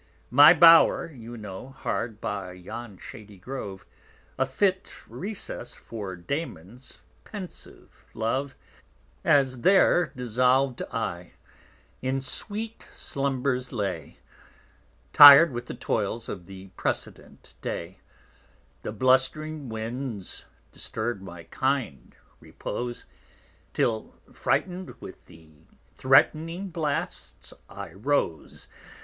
My_ Bower you know, hard by yon shady Grove, A fit Recess for Damon_'s pensive Love: 20 As there dissolv'd I in sweet Slumbers lay, Tir'd with the Toils of the precedent Day, The blust'ring Winds disturb my kind Repose, Till frightned with the threatning Blasts, I rose.